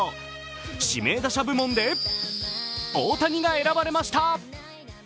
指名打者部門で大谷が選ばれました。